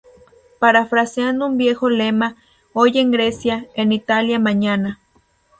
Parafraseando un viejo lema, hoy en Grecia, en Italia mañana.